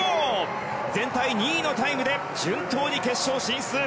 全体２位のタイムで順当に決勝進出。